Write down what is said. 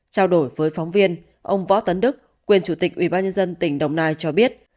trao đổi với phóng viên ông võ tấn đức quyền chủ tịch ubnd tỉnh đồng nai cho biết